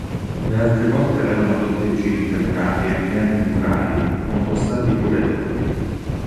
Le altre porte avevano doppie cinte murarie e antimurali con fossati pure doppi.